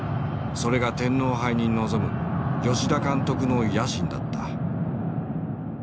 それが天皇杯に臨む吉田監督の野心だった。